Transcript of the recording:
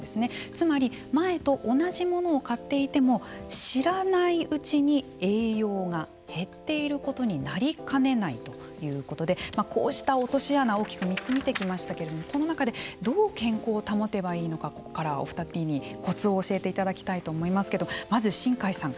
つまり前と同じ物を買っていても知らないうちに栄養が減っていることになりかねないということでこうした落とし穴大きく３つ見てきましたけれどもこの中でどう健康を保てばいいのかここからはお二人にこつを教えていただきたいと思いますけどまず、新開さん